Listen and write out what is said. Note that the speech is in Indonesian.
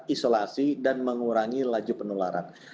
isolasi dan mengurangi laju penularan